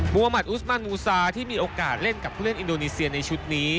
มุมัติอุสมันมูซาที่มีโอกาสเล่นกับผู้เล่นอินโดนีเซียในชุดนี้